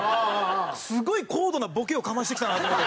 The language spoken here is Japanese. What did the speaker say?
すごい高度なボケをかましてきたなと思って。